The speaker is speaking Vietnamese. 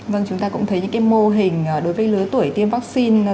vâng chúng ta cũng thấy những cái mô hình đối với lứa tuổi tiêm vaccine